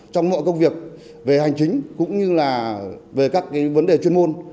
trong mọi công việc về hành chính cũng như là về các vấn đề chuyên môn